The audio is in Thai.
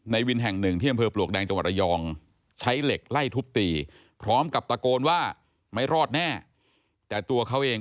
ในวินแห่งหนึ่งเที่ยวอำเภอปลวกแดงจังหวัดระยอง